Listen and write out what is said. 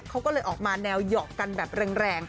เขาก็เลยออกมาแนวหยอกกันแบบแรง